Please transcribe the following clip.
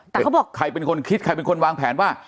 แต่เขาบอกใครเป็นคนคิดใครเป็นคนวางแผนว่า